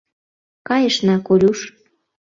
Кайышна, Колюш...